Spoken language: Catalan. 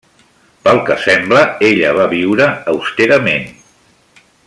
Pel que sembla ella va viure austerament.